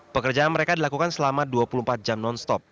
pekerjaan mereka dilakukan selama dua puluh empat jam nonstop